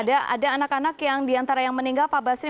ada anak anak yang diantara yang meninggal pak basri